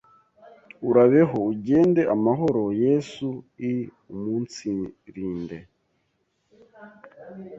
urabeho, ugende amahoro, Yesu iumunsirinde